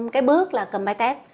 cái bước là cơm bài test